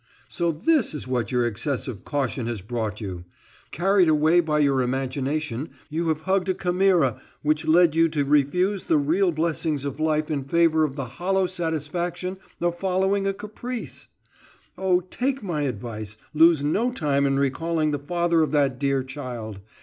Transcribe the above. So this is to what your excessive caution has brought you! Carried away by your imagination, you have hugged a chimera which led you to refuse the real blessings of life in favor of the hollow satisfaction of following a caprice! Oh, take my advice, lose no time in recalling the father of that dear child.